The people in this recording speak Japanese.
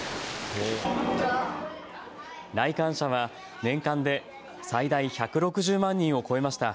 来館者は年間で最大１６０万人を超えました。